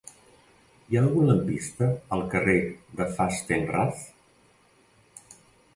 Hi ha algun lampista al carrer de Fastenrath?